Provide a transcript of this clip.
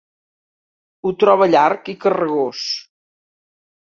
Ho troba llarg i carregós.